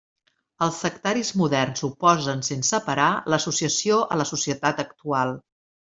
Els sectaris moderns oposen sense parar l'associació a la societat actual.